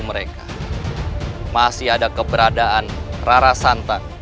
mereka masih ada keberadaan rara santan